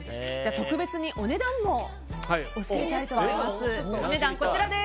特別にお値段も教えたいと思います。